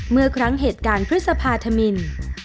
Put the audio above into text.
เมื่อครั้งเหตุการณ์พฤษภาธมิน